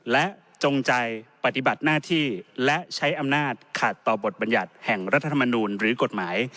และจงใจปฏิบัติหน้าที่และใช้อำนาจขาดต่อบทบรรยัติแห่งรัฐธรรมนูลหรือกฎหมาย